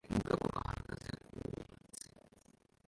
Umugabo ahagaze kububatsi